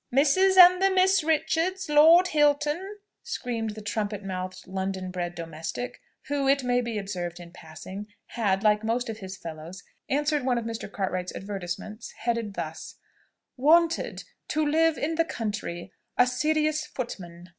"Mrs. and the Miss Richards, Lord Hilton," screamed the trumpet mouthed London bred domestic, who, it may be observed in passing, had, like most of his fellows, answered one of Mr. Cartwright's advertisements headed thus, "Wanted to live in the country A SERIOUS FOOTMAN."